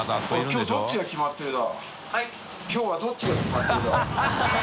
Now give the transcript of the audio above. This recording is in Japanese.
きょうはどっちが決まってるだ？